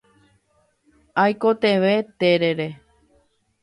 Aikotevẽ terere.